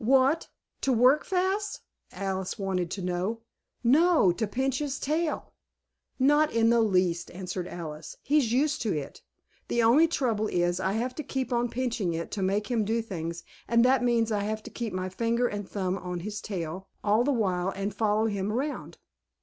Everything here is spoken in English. "What, to work fast?" Alice wanted to know. "No, to pinch his tail." "Not in the least," answered Alice. "He's used to it. The only trouble is I have to keep on pinching it to make him do things, and that means I have to keep my finger and thumb on his tail all the while and follow him around.